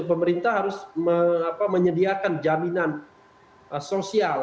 pemerintah harus menyediakan jaminan sosial